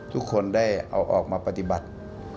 ทุกคนได้เอาออกมาปฏิบัติ